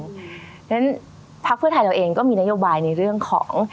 เพราะฉะนั้นพักเพื่อไทยเราเองก็มีนโยบายในเรื่องของ